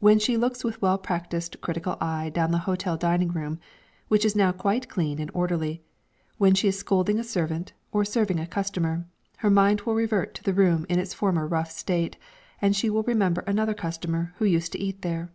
When she looks with well practised critical eye down the hotel dining room, which is now quite clean and orderly, when she is scolding a servant, or serving a customer, her mind will revert to the room in its former rough state, and she will remember another customer who used to eat there.